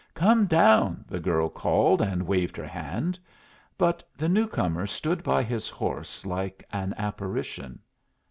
"Come down!" the girl called, and waved her hand. But the new comer stood by his horse like an apparition.